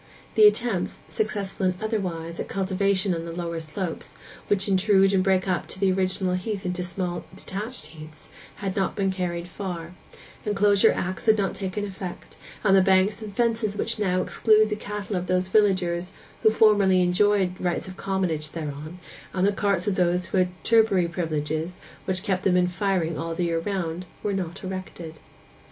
The attempts—successful and otherwise—at cultivation on the lower slopes, which intrude and break up the original heath into small detached heaths, had not been carried far; Enclosure Acts had not taken effect, and the banks and fences which now exclude the cattle of those villagers who formerly enjoyed rights of commonage thereon, and the carts of those who had turbary privileges which kept them in firing all the year round, were not erected.